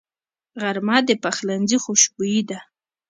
غرمه د پخلنځي خوشبويي ده